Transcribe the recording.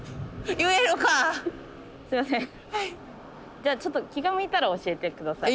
じゃあちょっと気が向いたら教えて下さい。